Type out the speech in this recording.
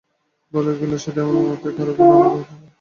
ভালো খেললে সেটাই আমার মাথায় থাকে, খারাপ খেললে মাথায় থাকে না।